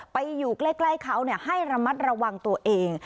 ไปอยู่ใกล้เขาให้ระมัดระวังตัวเอง